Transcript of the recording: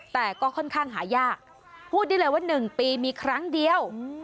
แต่ก็ค่อนข้างหายากพูดได้เลยว่า๑ปีมีครั้งเดียว